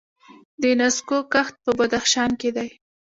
د نسکو کښت په بدخشان کې دی.